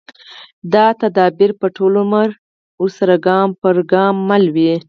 دا تدبیر به ټول عمر ورسره ګام پر ګام مل وي